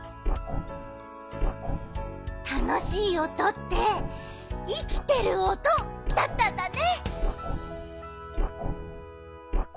たのしいおとっていきてるおとだったんだね。